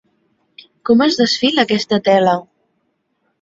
Com es desfila, aquesta tela!